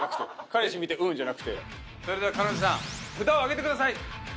彼氏見て「うん」じゃなくて。それでは彼女さん札を上げてください。